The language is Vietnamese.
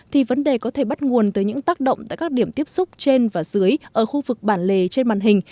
thì vấn đề có thể bắt nguồn tới những tác động tại các điểm tiếp xúc trên và dưới ở khu vực bản lề trên màn hình